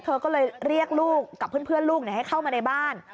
เธอก็เลยเรียกลูกกับเพื่อนลูกให้เข้ามาในบ้าน